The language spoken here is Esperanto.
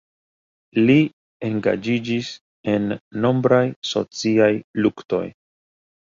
Li engaĝiĝis en nombraj sociaj luktoj.